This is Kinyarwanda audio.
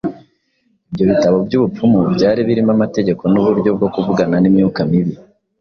Ibyo bitabo by’ubupfumu byari birimo amategeko n’uburyo bwo kuvugana n’imyuka mibi.